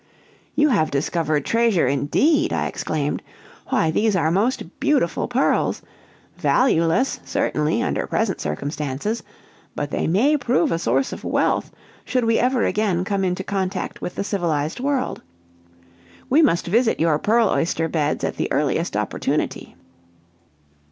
"You have discovered treasure, indeed!" I exclaimed; "why these are most beautiful pearls! Valueless, certainly, under present circumstances; but they may prove a source of wealth, should we ever again come into contact with the civilized world. We must visit your pearl oyster beds at the earliest opportunity."